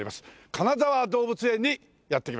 金沢動物園にやって来ました。